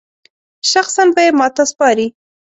شخصاً به یې ماته سپاري.